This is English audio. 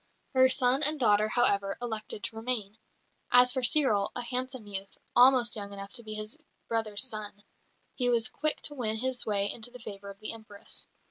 Her son and daughter, however, elected to remain. As for Cyril, a handsome youth, almost young enough to be his brother's son, he was quick to win his way into the favour of the Empress.